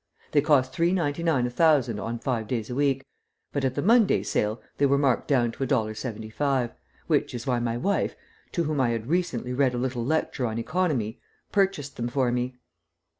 They cost $3.99 a thousand on five days a week, but at the Monday sale they were marked down to $1.75, which is why my wife, to whom I had recently read a little lecture on economy, purchased them for me.